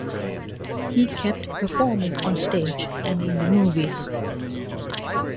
He kept performing on stage and in the movies.